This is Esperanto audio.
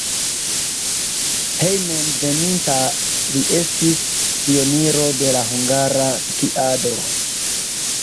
Hejmenveninta li estis pioniro de la hungara skiado.